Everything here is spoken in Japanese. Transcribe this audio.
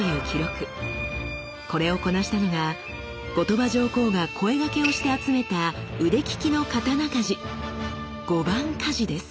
これをこなしたのが後鳥羽上皇が声掛けをして集めた腕利きの刀鍛冶「御番鍛冶」です。